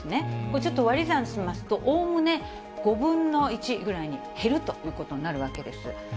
ちょっと割り算しますと、おおむね５分の１ぐらいに減るということになるわけです。